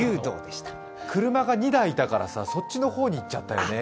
車が２台だからさ、そっちの方にいっちゃったよね。